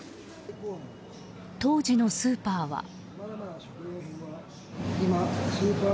当時のスーパーは。